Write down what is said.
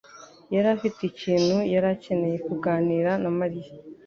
yari afite ikintu yari akeneye kuganira na Mariya.